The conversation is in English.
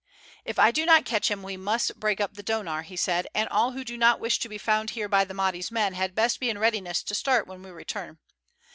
"If I do not catch him we must break up the donar," he said, "and all who do not wish to be found here by the Mahdi's men had best be in readiness to start when we return.